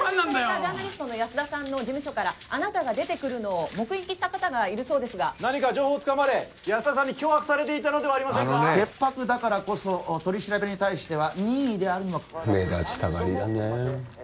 ジャーナリストの安田さんの事務所からあなたが出てくるのを目撃した方がいるそうですが何か情報をつかまれ安田さんに脅迫されていたのではあのね潔白だからこそ取り調べに対しては任意であるにも目立ちたがりだねえ